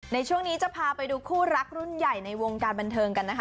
ในช่วงนี้จะพาไปดูคู่รักรุ่นใหญ่ในวงการบันเทิงกันนะคะ